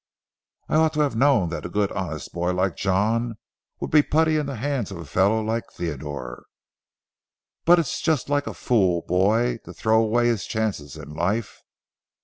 I ought to have known that a good honest boy like John would be putty in the hands of a fellow like Theodore. But it's just like a fool boy to throw away his chances in life.